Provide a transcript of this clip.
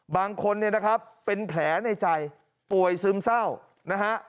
บางคนเนี่ยนะครับเป็นแผลในใจป่วยซึมเศร้านะฮะ